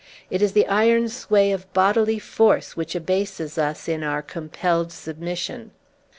It is the iron sway of bodily force which abases us, in our compelled submission.